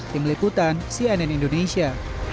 di melikutan cnn indonesia